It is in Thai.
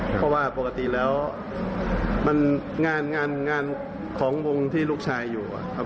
เพราะว่าปกติแล้วมันงานงานของวงที่ลูกชายอยู่ครับ